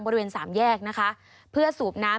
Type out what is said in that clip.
สวัสดีค่ะสวัสดีค่ะ